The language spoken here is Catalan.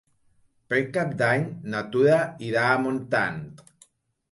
Per Cap d'Any na Tura irà a Montant.